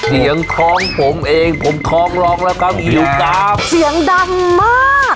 เสียงท้องผมเองผมท้องร้องแล้วครับหิวครับเสียงดังมาก